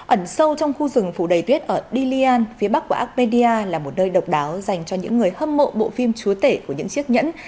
ẩn sâu trong khu rừng phủ đầy tuyết ở dilian phía bắc của armenia là một nơi độc đáo dành cho những người hâm mộ bộ phim chúa tể của những chiếc nhẫn